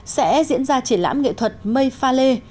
sẽ diễn ra triển lãm nghệ thuật mây pha lê